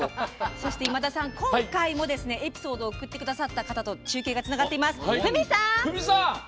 そして今回もエピソードを送ってくださった方と中継がつながっています。